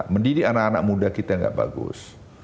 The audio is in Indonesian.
mendidik anak anak muda kita nggak bagus